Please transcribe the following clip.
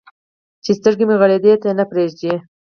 چې سترګې مې غړېدو ته نه پرېږدي.